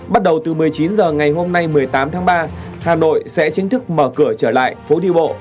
bắt đầu từ một mươi chín h ngày hôm nay một mươi tám tháng ba hà nội sẽ chính thức mở cửa trở lại phố đi bộ